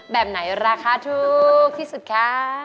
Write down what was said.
แบบไหนราคาถูกที่สุดคะ